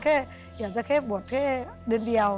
แค่อยากจะให้บวชเท่เดือนเดียว